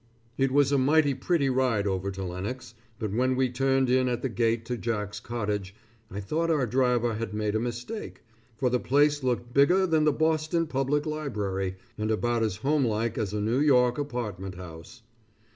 It was a mighty pretty ride over to Lenox, but when we turned in at the gate to Jack's cottage, I thought our driver had made a mistake, for the place looked bigger than the Boston Public Library, and about as homelike as a New York apartment house.